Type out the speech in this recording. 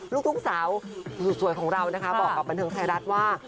ลูกสาวสวยของเราบอกกับบันเทิงไทยรัฐว่า